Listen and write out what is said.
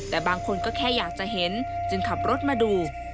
แต่บางคนก็แค่อยากจะเห็นจึงขับรถมาดู